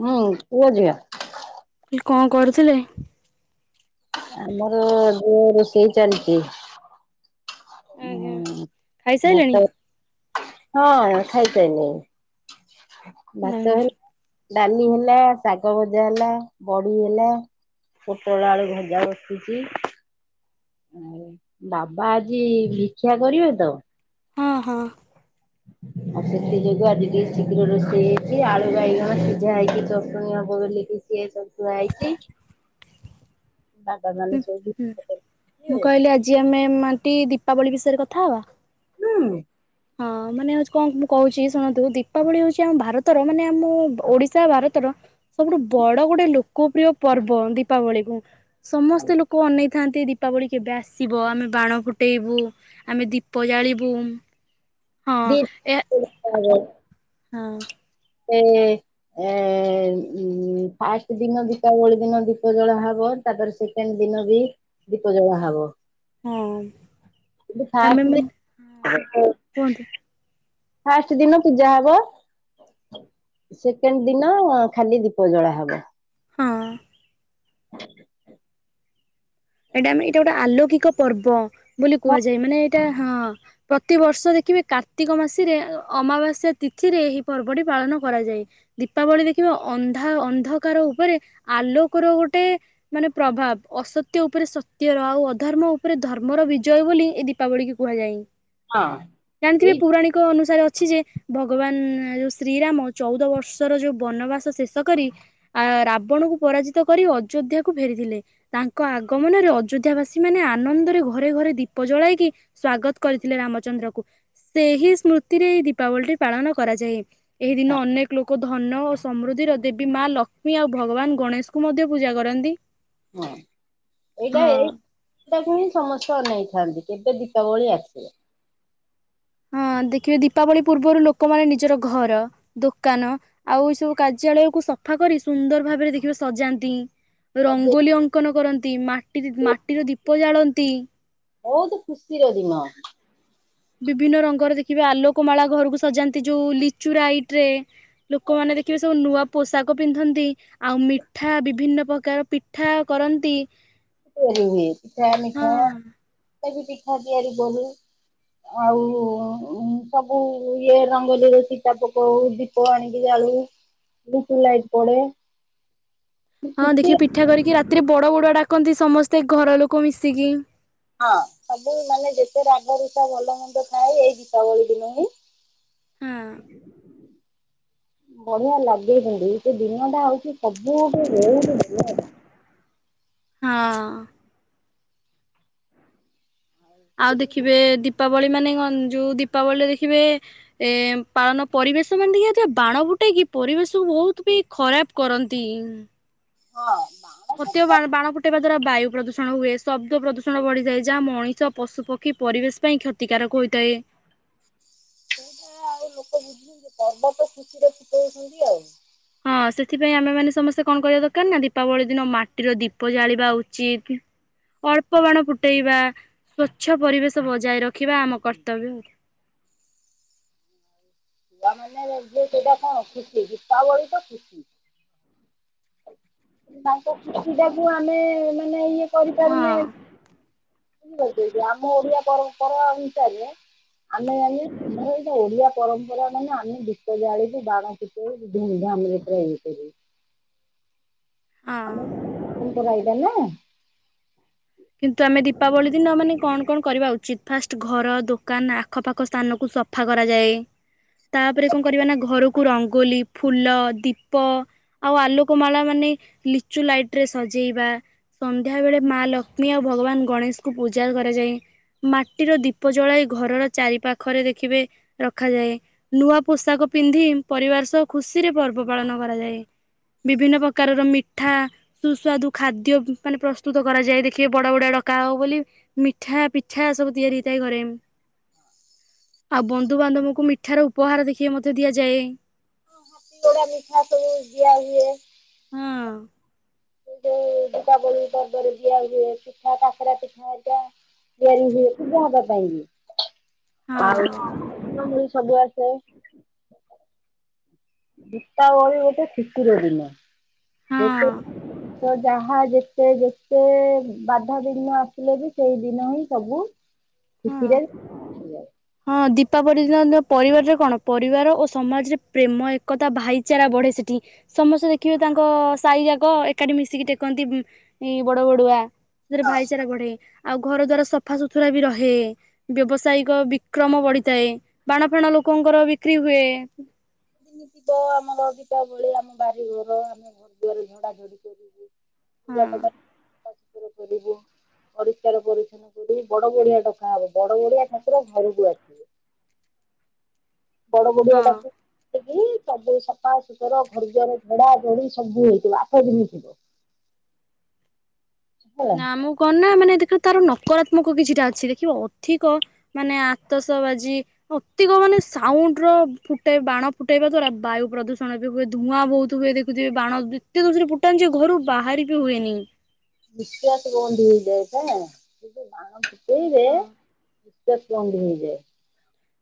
ହୁଁ ପୁଅ ଯିବା। କି କଣ କରୁଥିଲେ? ଆମର ଝିଅ ରୋଷେଇ ଚାଲିଛି। ଆଜ୍ଞା ହୁଁ ଖାଇସାଇଲେଣି? ଭାତ ହଁ ଖାଇସାରିଲିନି ଭାତ ହେ ଆଜ୍ଞା ଡାଲି ହେଲା, ଶାଗ ଭଜା ହେଲା, ବଡି ହେଲା। ପୋଟଳ ଆଳୁ ଭଜା ବସୁଛି। ଆ ବାବା ଆଜି ଭିକ୍ଷା କରିବେ ତ। ହଁ ହଁ। [inaudible] ଆଉ ସେଥି ଯୋଗୁ ଆଜି ଟିକେ ଶୀଘ୍ର ରୋଷେଇ ହେଇଛି, ଆଳୁ ବାଇଗଣ ସିଝା ହେଇକି ଚଟଣିଆ ହବବୋଲିକି ସିଏ ହେଇଛନ୍ତି। [unintelligible] [inaudible] ସବୁ ହୁଁ ଭିକ୍ଷା କରୁଛନ୍ତି ମୁଁ ଆଉ କହିଲି ଆଜି ଆମେ ମାଟି ଦୀପାବଳି ବିଷୟରେ କଥାହବା। ହୁଁ। ହଁ ମାନେ ହଉଛି କଣ ମୁଁ କହୁଛି ଶୁଣନ୍ତୁ, ଦୀପାବଳି ହଉଛି ଆମ ଭାରତର ମାନେ ଆମ ଓଡିଶା ଭାରତର ସବୁଠୁ ବଡ ଗୋଟେ ଲୋକପ୍ରିୟ ପର୍ବ ଦୀପାବଳିକୁ ସମସ୍ତେ ଲୋକ ଅନେଇ ଥାନ୍ତି ଦୀପାବଳି କେବେ ଆସିବ ଆମେ ବାଣ ଫୁଟେଇବୁ ଆମେ ଦୀପ ଜାଳିବୁ। ହଁ ଏ [inaudible] ହଁ। [unintelligible] ଏ ଉ ଫାଷ୍ଟ ଦିନ ଦୀପାବଳି ଦିନ ଦୀପ ଜଳା ହବ ତାପରେ ସେ କେଣ୍ଡ ଦିନ ବି ଦୀପ ଜଳା ହବ। ହଁ। କିନ୍ତୁ ଆମେ ଫାଷ୍ଟ ଦି ମାନେ କୁହନ୍ତୁ ଫାଷ୍ଟ ଦିନ ପୂଜା ହବ। ସେକେଣ୍ଡ ଦିନ ଖାଲି ଦୀପ ଜଳା ହବ। ହଁ। [inaudible] ଏଇଟା ଆମେ ଏଇଟା ଗୋଟେ ଆଲୌକିକ ପର୍ବ ବୋଲି ହଁ କୁହାଯାଏ ମାନେ ଏଇଟା ହଁ। ପ୍ରତିବର୍ଷ ଦେଖିବେ କାର୍ତ୍ତିକ ମାସିରେ ଅମାବାସ୍ୟା ତିଥିରେ ଏହି ପର୍ବଟି ପାଳନ କରାଯାଏ। ଦୀପାବଳି ଦେଖିବେ ଅନ୍ଧା ଅନ୍ଧକାର ଉପରେ ଆଲୋକର ଗୋଟେ ମାନେ ପ୍ରଭାବ ଅସତ ତ୍ୟ ଉପରେ ସତ୍ୟର ଆଉ ଅଧର୍ମ ଉପରେ ଧର୍ମର ବିଜୟ ବୋଲି ଏ ଦୀପାବଳିକୁ କୁହାଯାଏ। ଏଇ ଜାଣିଥିବେ ପୌରାଣିକ ଅନୁସାରେ ଅଛି ଯେ ଭଗବାନ ଯୋଉ ଶ୍ରୀରାମ ଚଉଦ ବର୍ଷର ଯୋଉ ବନବାସ ଶେଷ କରି ଆ ରାବଣକୁ ପରାଜିତ କରି ଅଯୋଧ୍ୟାକୁ ଫେରିଥିଲେ। ତାଙ୍କ ଆଗମନରେ ଅଯୋଧ୍ୟା ବାସୀ ମାନେ ଆନନ୍ଦରେ ଘରେ ଘରେ ଦୀପ ଜଳାଇ କି ସ୍ଵାଗତ କରିଥିଲେ ରାମଚନ୍ଦ୍ରକୁ। ସେହି ସ୍ମୃତିରେ ଏଇ ଦୀପାବଳି ଟି ପାଳନ କରାଯାଏ। ଏହି ଦିନ ଅନେକ ଲୋକ ଧନ ଓ ସମୃଦ୍ଧିର ଦେବୀ ମା ଲକ୍ଷ୍ମୀ ଆଉ ଭଗବାନ ଗଣେଶଙ୍କୁ ମଧ୍ୟ ପୂଜା କରନ୍ତି। ହଁ ଏଇଟା ହଁ। ଏଇଟାକୁ ହିଁ ସମସ୍ତେ ଅନେଇଥାନ୍ତି କେବେ ଦୀପାବଳି ଆସି ହଁ! ହଁ, ଦେଖିବେ ଦୀପାବଳି ପୂର୍ବରୁ ଲୋକମାନେ ନିଜର ଘର ଦୋକାନ ଆଉ ଏଇ ସବୁ କାର୍ଯ୍ୟାଳୟକୁୁ ସଫା କରି ସୁନ୍ଦର ଭାବରେ ଦେଖିବ ସଜାନ୍ତି। ରଙ୍ଗୋଲି ଅଙ୍କନ କରନ୍ତି ମାଟି [unintelligible] ମାଟିର ଦୀପ ଜାଳନ୍ତି। ବୋହୁତ ଖୁସିର ଦିନ। ବିଭିନ୍ନ ରଙ୍ଗର ଦେଖିବେ ଆଲୋକମାଳା ଘରକୁ ସଜାନ୍ତି ଯୋଉ ଲିଚୁଲାଇଟ୍ ରେ। ଲୋକମାନେ ଦେଖିବେ ସବୁ ନୂଆ ପୋଷାକ ପିନ୍ଧନ୍ତି। ଆଉ ମିଠା ବିଭିନ୍ନ ପ୍ରକାର ପିଠା କରନ୍ତି। ତିଆରି ହୁଏ ପିଠା ହଁ ମିଠା [unintelligible] ପିଠା ତିଆରି କରୁ। ଆଉ ଉଁ ସବୁ ଇଏ ରଙ୍ଗେଲୀରେ ଚିତା ପକଉ ଦି ପ ଆଣିିକି ଜାଳୁ ଲିଚୁ ଲାଇଟ୍ ପଡ଼େ। ହଁ ଦେଖିବେ ପିଠା କରିକି ରାତିରେ ବଡ଼ ବଡ଼ୁଆ ଡାକନ୍ତି ସମସ୍ତେ ଘର ଲୋକ ମିଶିକି। ହଁ ସବୁ ମାନେ ଯେତେ ରାଗରୁଷା ଭଲମନ୍ଦ ଥାଏ ଏଇ ଦୀପାବଳି ଦିନ ହିଁ ହୁଁ। ବଢ଼ିଆ ଲାଗେ ସେ ଦିନ ଟା ହଉଛି ସବୁଠୁ ବୋହୁତୁ ଭ ହଁ। ଆଉ ଦେଖିବେ ଦୀପାବଳି ମାନେ କଣ ଯୋଉ ଦୀପାବଳିରେ ଦେଖିବେ ଏ ପାଳନ ପରିବେଶ ମାନେ ଦେଖିବେ [unintelligible] ବାଣ ଫୁଟେଇକି ପରିବେଶକୁ ବହୁତ ବି ଖରାପ କରନ୍ତି ଉଁ। ହଁ ବାଣ ଫୁଟେଇବା ବା ବାଣ ଫଟେଇବା ଦ୍ଵାରା ବାୟୁ ପ୍ରଦୂଷ୍ ଷଣ ହୁଏ ଶବ୍ଦ ପ୍ରଦୂଷଣ ବଢ଼ିଯାଏ ଯାହା ମଣିଷ ପଶୁପକ୍ଷୀ ପରିବେଶ ପାଇଁ କ୍ଷତିକାରକ ହୋଇଥାଏ। ସେଇଟା ଆଉ ଲୋକ ବୁଝୁଛନ୍ତି ପର୍ବ ତ ଖୁସିରେ ଫୁଟୋଉଛନ୍ତି ଆଉ। ହଁ ସେଥିପାଇଁ ଆମେ ମାନେ ସମସ୍ତେ କଣ କରିବା ଦରକାର ନା ଦୀପାବଳି ଦିନ ମାଟିର ଦୀପ ଜାଳିବା ଉଚିତ୍ ଅଳ୍ପ ବାଣ ଫୁଟେଇବା ସ୍ଵଚ୍ଛ ପରିବେଶ ବଜାୟ ରଖିବା ଆମ କର୍ତ୍ତବ୍ୟ [unintelligible] ପିଲା ମାନେ ଯେ ସେଇଟା କଣ ଖୁସି ଦୀପାବଳି ତ ଖୁସି। ତାଙ୍କ ଖୁସିଟାକୁ ଆମେ ମାନେ ଇଏ ହଁ କରିପାରୁନେ [unintelligible] ଆମ ଓଡ଼ିଆ ପରମ୍ପରା ଅନୁସାରେ ଆମେ ମାନେ [unintelligible] ଓଡ଼ିଆ ପରମ୍ପରା ମାନେ ଆମେ ଦୀପ ଜାଳିବୁ ବାଣ ଫୁ ବୋହୁତ୍ ଧୁମଧାମରେ ପାଳନ କରିବୁ। ହଁ। ଆମେ [unintelligible] ରହିବା ବା ନା। କିନ୍ତୁ ଆମେ ଦୀପାବଳି ଦିନ ମାନେ କଣ କଣ କରିବା ଉଚିତ ଫାଷ୍ଟ ଘର ଦୋକାନ ଆଖପାଖ ସ୍ଥାନକୁ ସ ଫା କରାଯାଏ ତାପରେ କଣ କରିବେ ନା ଘରକୁ ରଙ୍ଗୋଲି ଫୁଲ ଦୀପ ଆଉ ଆଲୋକମାଳା ମାନେ ଲିଚୁ ଲାଇଟରେ ସଜେଇବା। ସନ୍ଧ୍ୟାବେଳେ ମା ଲକ୍ଷ୍ମୀ ଆଉ ଭଗବାନ ଗଣେଶଙ୍କୁ ପୂଜା କରାଯାଏ। ମାଟିର ଦୀପ ଜଳାଇ ଘରର ଚାରି ପାଖରେ ଦେଖିବେ ରଖାଯାଏ। ନୂଆ ପୋଷାକ ପିନ୍ଧି ପରିବାର ସହ ଖୁସିରେ ପର୍ବ ପାଳନ କରାଯାଏ। ବିଭିନ୍ନ ପ୍ରକାରର ମିଠା ସୁସ୍ୱାଦୁ ଖାଦ୍ୟ ଉଁ ମାନେ ପ୍ରସ୍ତୁତ କରାଯାଏ ଦେଖ୍ ଖିବେ ବଡ଼ବଡ଼ୁଆ ଡକା ହବ ବୋଲି ମିଠା ପିଠା ସବୁ ତିଆରି ହେଇଥାଏ ଘରେ। ଆଉ ବନ୍ଧୁବାନ୍ଧବଙ୍କୁ ମିଠାର ଉପହାର ଦେଖିବେ ମଧ୍ୟ ଦିଆଯାଏ। ସିଙ୍ଗଡ଼ା ମିଠା ସବୁ ଦିଆ ହୁଏ। ହଁ। ସେ ଯୋଉ ଦୀପାବଳି ପର୍ବରେ ଦିଆ ହୁଏ ପିଠା କାକରା ପିଠା ହେରିକା। ତିଆରି ହୁଏ ପୂଜା ହବା ପାଇଁ ବି ହଁ ଆଉ ସବୁ ଆସେ। ଦୀପାବଳି ଗୋଟେ ଖୁସିର ଦିନ ହଁ ଯେତେ ତ ଯାହା ଯେତେ ଯେତେ ବାଧାବିଘ୍ନ ଆସିଲେ ବି ସେଇ ଦିନ ହିଁ ସବୁ ହଁ। ଖୁସିରେ ହୁଏ। ହଁ ଦୀପାବଳି ଦିନ ପରିବାରରେ କଣ ପରିବାର ଓ ସମାଜରେ ପ୍ରେମ ଏକତା ଭାଇଚାରା ବଢେ ସେଠି। ସମସ୍ତେ ଦେଖିବେ ତାଙ୍କ ସାହି ଯାକ ଏକାଠି ମିଶିକି ଟେକନ୍ତି ଏ ବଡ ବଡୁଆ। ସେଥିରେ ଭାଇଚାରା ବଢେ। ଆଉ ଘର ଦ୍ଵାରା ସଫାସୁତୁରା ବି ରହେ। ବ୍ୟବସାୟିକ ବିକ୍ରମ ବଢିଥାଏ। ବାଣ ଫାଣ ଲୋକଙ୍କର ବିକ୍ରି ହୁଏ। ସୀମିତି ତ ଆମର ଦୀପାବଳି ଆମ ବାରିଘର ଆମେ ଘର ଦୁଆରେ ଝଡାଝଡି କରିବୁ। ହଁ ପୂଜା [unintelligible] କରିବୁ। ପରିଷ୍କାର ପରିଚ୍ଛନ୍ନ କରିକି ବଡ ବଢିଆ ଡକା ହବ। ବଡ ବଢିଆ ଠାକୁର ଘରକୁ ଆସିବେ। ବଡ ବ ଦଡ଼ୁଆ ହଁ। ଡାକୁ ସବୁ ସଫାସୁତୁର ଘର ଦ୍ୱାର ଝଡା ଝଡି ସବୁ ହେଇଥିଲା ଆଠ ଦିନି ଥିବ। ହେଲା ନା ମୁଁ କଣ ନା ମାନେ ଦେଖିଲ ତାର ନକରାତ୍ମକ କିଛିଟା ଅଛି ଦେଖିବ ଅଧିକ ମାନେ ଆତସ ବାଜି ଅତିକ ମାନେ ସାଉଣ୍ଡ ର ଫୁଟେଇ ବାଣ ଫୁଟେଇବା ଦ୍ଵାରା ବାୟୁ ପ୍ରଦୂଷଣ ବି ହୁଏ। ଧୂଆଁ ବହୁତ ହୁଏ ଦେ ଥିବେ, ବାଣ ଏତେ ଜୋର୍ ସେ ଫିଟାନ୍ତି ଯେ ଘରୁ ବାହାରି ବି ହୁଏନି। ନିଶ୍ୱାସ ବନ୍ଦ ହେଇଯାଏ ନା? ଏଇ ବାଣ ଫୁଟେଇବେ ହଁ। ନିଶ୍ୱାସ ବନ୍ଦ ହେଇଯାଏ।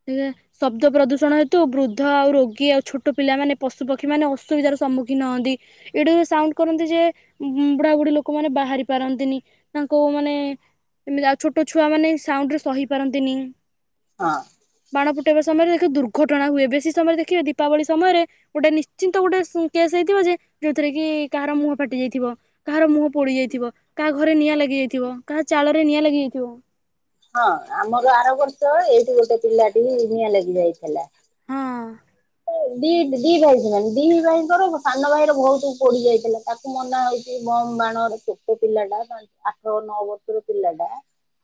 ସେଇଆ। ଶବ୍ଦ ପ୍ରଦୂଷଣ ହେତୁ, ବୃଦ୍ଧ ଆଉ, ରୋଗୀ ଆଉ, ଛୋଟ ପିଲାମାନେ ପଶୁପକ୍ଷୀମାନେ ଅସୁବିଧାର ସମ୍ମୁଖୀନ ହୁଅନ୍ତି। ଏଡେ ଜୋରେ ସାଉଣ୍ଡ କରନ୍ତି ଯେ, ବୁଢାବୁଢୀ ଲୋକମାନେ ବାହାରି ପାରନ୍ତିନି। ତାଙ୍କୁ ମାନେ ଏମିତି ଆଉ ଛୋଟ ଛୁଆ ମାନେ ଏଇ ସାଉଣ୍ଡରେ ସହି ପାରନ୍ତିନି। ଆ। ବାଣ ଫୁଟେଇବା ସମୟରେ, ଦେଖିବେ ଦୁର୍ଘଟଣା ହୁଏ। ବେଶୀ ସମୟରେ ଦେଖିବେ ଦୀପାବଳି ସମୟରେ ଗୋଟେ ନିଶ୍ଚିନ୍ତ ଗୋଟେ କେସ୍ ହେଇଥିବ ଯେ, ଯୋଉଥିରେ କି କାହାର ମୁହଁ ଫାଟି ଯାଇଥିବ। କାହାର ମୁହଁ ପୋଡି ଯାଇଥିବ। କାହା ଘରେ ନିଆଁ ଲାଗି ଯାଇଥିବ। କାହା ଚାଳ ରେ ନିଆଁ ଲାଗି ଯାଇଥିବ। ହଁ ଆମର ଆର ବର୍ଷ ଏଇଠି ଗୋଟେ ପିଲାଟିି ନିଆଁ ଲାଗି ଯାଇଥିଲା। ହଁ ଦି-ଦି ଭାଇ ସେମାନେ, ଦି ଭାଇଙ୍କର ସାନ ଭାଇର ବୋହୁତ୍ ପୋଡି ଯାଇଥିଲା ତା ମନା ହଉଛି ବମ୍ ବାଣ ଛୋଟ ପିଲାଟା ଆଠ ନଅ ବର୍ଷର ପିଲାଟା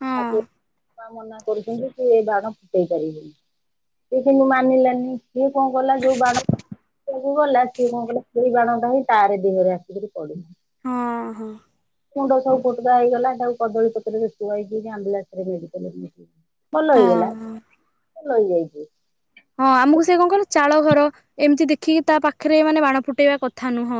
ହଁ ଆତେ ବାପା ମନା କରୁଛନ୍ତି କି ଏ ବାଣ ଫୁଟେଇ ପାରିବୁନି। ସିଏ କିନ୍ତୁ ମାନିଲାନି। ଇଏ କଣ କଲା ଯୋଉ ବାଣ କୁ ଗଲା ସିଏ କଣ କଲା ସେଇ ବାଣଟା ହିଁ ତାରି ଦେହରେ ଆସିକରି ପଡିଲା। ହଁ, ହଁ। ମୁଣ୍ଡ ସବୁ ଫୁଟୁକା ହେଇଗଲା, ତାକୁ କଦଳୀ ପତ୍ରରେ ସୁଆଇକି ଆମ୍ବୁଲାନ୍ସରେ ମେଡିକାଲ ନେଲେ। ଭଲ ହଁ ହେଇଗଲା? ହଁ ଭଲ ହେଇଯାଇଛି। ହଁ ଆମକୁ ସେ କଣ କଇଲ, ଚାଳ ଘର ଏମିତି ଦେଖିକି ତା ପାଖରେ ମାନେ ବାଣ ଫୁଟେଇବା କଥା ନୁହଁ।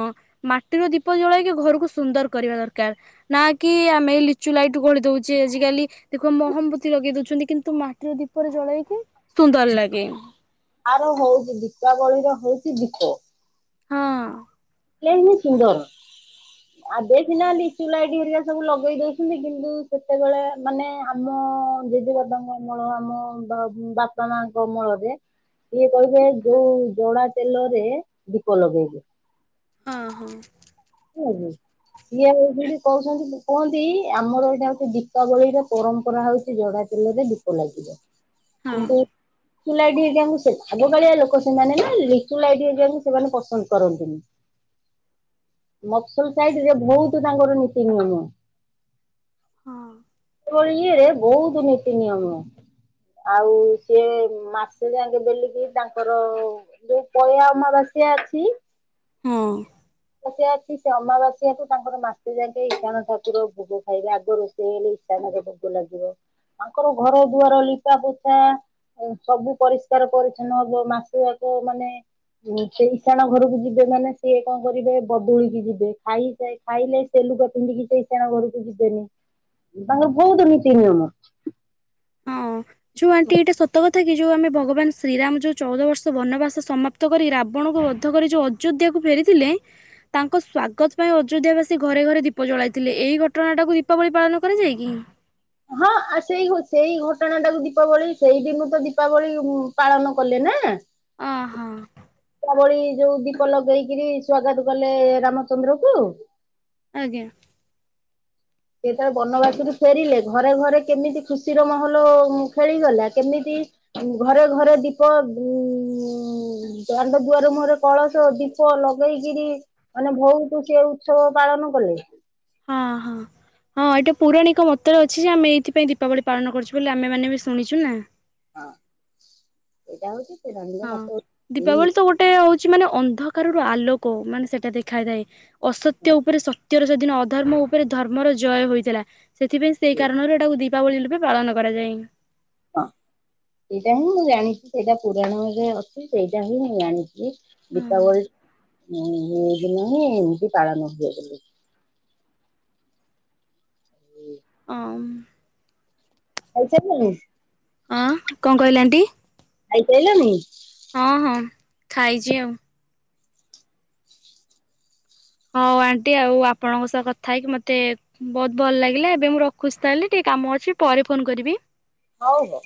ମାଟିର ଦୀପ ଜଳେଇକି ଘରକୁ ସୁନ୍ଦର କରିବା ଦରକାର। ନା କି ଆମେ ଲିଚୁ ଲାଇଟ୍ ଗଳି ଦଉଛେ ଆଜିକାଲି। ଦେଖ ମହମବତି ଲଗେଇ ଦଉଛନ୍ତି। କିନ୍ତୁ ମାଟିର ଦୀପରେ ଜଳେଇକି ସୁନ୍ଦର ଲାଗେ। ଆର ହଉଛି ଦୀପାବଳି ର ହଉଛି ଦୀପ। ହଁ। ସେହି ହିଁ ସୁନ୍ଦର। [inaudible] ଏବେ ସିନା ଲିଚୁଲାଇଟ୍ ହେରିଆ ସବୁ ଲଗେଇ ଦଉଛନ୍ତି, କିନ୍ତୁ ସେତେବେଳେ ମାନେ ଆମ୍ ଆମ ଜେଜେବାପାଙ୍କ ଅମଳ, ଆମ ବାପା ମାଙ୍କ ଅମଳରେ ସିଏ କହିବେ ଯୋଉ ଜଡ଼ା ତେଲରେ ଦୀପ ଲଗେଇବେ। ହଁ ହଁ। [inaudible] ସିଏ ଏହି ବିଡି କହୁଛନ୍ତି କୁହନ୍ତି ଆମର ଏଇଟା ହୋଉଛି ଦୀପାବଳିର ପରମ୍ପରା ହଉଛି ଯଡା ତେଲରେ ଦୀପ ଲାଗିବ। [inaudible] କିନ୍ତୁ। ଲିଚୁଲାଇଟ ଯେମିତି ସେମିତି ଆଗକାଳିଆ ଲୋକ ସେମାନେ ନା ଲିଚୁଲାଇଟ ଯେମିତି ସେମାନେ ପସନ୍ଦ କରନ୍ତିନି। ମଫସଲ ସାଇଡରେ ବହୁତ ତାଙ୍କର ନୀତି ନିୟମ। ହଁ [unintelligible] ଇଏରେ ବହୁତ ନୀତି ନିୟମ। ଆଉ ସିଏ ମାସେ ଯାକେ ବେଲିକି ତାଙ୍କର ଯୋଉ ପଇଆ ଅମାବାସ୍ୟା ଅଛି ହଁ। ଅମାବାସ୍ୟା ଅଛି ସେ ଅମାବାସ୍ୟା ଠୁ ତାଙ୍କର ମାସେ ଯାକେ ଇସାଣ ଠାକୁର ଭୋଗ ଖାଇବେ ଆଗ ରୋଷେଇ ହେଲେ। ଭୋଗ ଲାଗିବ ତାଙ୍କର ଘର ଦୁଆର ଲିପା ପୋଛା ସବୁ ପରିଷ୍କାର ପରିଚ୍ଛନ୍ନ ହବ ମାସ ଯାକ ମାନେ ହୁଁ ସେ ଇଶାଣ ଘରକୁ ଯିବେ ମାନେ ସିଏ କଣ କରିବେ ବଦୁଳି ଯିବେ ଖାଇ ଖାଇଲେ ସେ ଲୁଗା ପିନ୍ଧିକି ସେଇ ଈଶାନ ଘରକୁ ଯିବେନି। ତାଙ୍କର ବହୁତ ନୀତି ନିୟମ। ଛୁଆନ୍ତି ଏଇଟା ସତ କଥା କଥା କିି ଯୋଉଁ ଆମେ ଭଗବାନ ଶ୍ରୀରାମ ଯୋଉଁ ଚଉଦ ବର୍ଷ ବନବାସ ସମାପ୍ତ କରି ରାବଣଙ୍କୁ ବଧ କରି ଯୋଉ ଆଯୋ ଅଯୋଧ୍ୟାକୁ ଫେରିଥିଲେ ତାଙ୍କ ସ୍ଵାଗତ ପାଇଁ ଅଯୋଧ୍ୟା ବାସୀ ଘରେ ଘରେ ଦୀପ ଜଳାଇଥିଲେ ଏଇ ଘଟଣା ଟାକୁ ଦୀପାବଳି ପାଳନ କରାଯାଏ କି? ହଁ ଆଉ ସେଇ ସେଇ ଘଟଣା ଟାକୁ ଦୀପାବଳି ସେଇ ଦିନୁ ତ ଦୀପାବଳି ପାଳନ କଲେନା। ଓହୋ ଦୀପାବଳି ଯୋଉ ଦୀ ପ ଲଗେଇକିରି ସ୍ଵାଗତ କଲେ ରାମଚନ୍ଦ୍ରକୁ। ଆଜ୍ଞା। ଯେତେବେଳେ ବନବାସରୁ ଫେରିଲେ ଘରେ ଘରେ କେମିତି ଖୁସିର ମହଲ ଖେଳିଗଲା କେମିତି ଘରେ ଘରେ ଦୀପ ଉ ଦାଣ୍ଡ ଦୁଆର ମୁହରେ କଳସ ଦୀପ ଲଗେଇକିରି ମାନେ ବହୁତ ସେ ଉତ୍ସବ ପାଳନ କଲେ। ହଁ ହଁ। ହଁ ଏଇଟା ପୌରାଣିକ ମତରେ ଅଛି ଯେ ଆମେ ଏଇଥିପାଇଁ ଦୀପାବଳି ପାଳନ କରୁଛୁ ବୋଲି ଆମେ ମାନେ ବି ଶୁଣିଛୁ ନା। ଏଇଟା ହଉଛି ପୌରାଣିକ ହଁ ମତ ଭି। ଦୀପାବଳି ତ ଗୋଟେ ହଉଛି ମାନେ ଅନ୍ଧକାରରୁ ଆଲୋକ ମାନେ ସେଟା ଦେଖାଯାଏ। ଅସତ୍ୟ ଉପରେ ସତ୍ୟର ସେଦିନ ଅଧର୍ମ ଉପରେ ଧର୍ମର ଜୟ ହୋଇଥିଲା। ସେଥିପାଇଁ ସେଇ କାରଣରୁ ଏଟାକୁ ଦୀପାବଳି ରୂପେ ପାଳନ କରାଯାଏ। ହଁ ସେଇଟା ହିଁ ମୁଁ ଜାଣିଛି ସେଇଟା ପୁରାଣରେ ଅଛି ସେଇଟା ହିଁ ମୁଁ ଜାଣିଛି। ହଁ ଦୀପାବଳି ଦିନ ହିଁ ଏମିତି ପାଳନ ହୁଏ ବୋଲି। ଆମ। ପଇସା ଦେଲେ। ଆ କଣ କହିଲେ ଆଣ୍ଟି? ଖାଇସାଇଲନି? ହଁ ହଁ ଖାଇଛି ଆଉ। ହଉ ଆଣ୍ଟି ଆଉ ଆପଣଙ୍କ ସହ କଥା ହେଇକି ମତେ ବହୁତ ଭଲ ଲାଗିଲା ଏବେ ମୁଁ ରଖୁଛି ତାହେଲେ ଟିକେ କାମ ଅଛି ପରେ ଫୋନ କରିବି। ହଉ ହଉ।